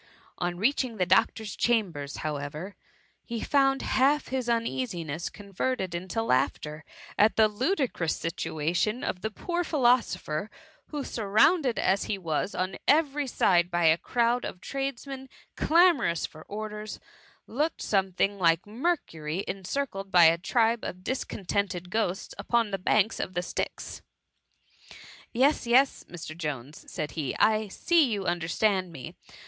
On reaching the doctor's cham ber, however, he found half his uneasiness con verted into laughter at the ludicrous situation of the poor philosopher, who, surrounded as he was on every »de by a crowd of tradesmen clamorous for orders, looked something like Mercury encircled by a tribe of discontented ghosts upon the banks of the Styx. Yes, yes, Mr. Jones,'* said he ; "I see you understand me.